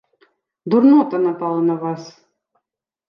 Дурнота напала на вас!